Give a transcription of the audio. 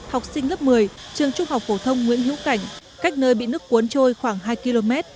học sinh lớp một mươi trường trung học phổ thông nguyễn hữu cảnh cách nơi bị nước cuốn trôi khoảng hai km